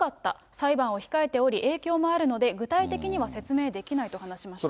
裁判を控えており、影響もあるので、具体的には説明できないと話しました。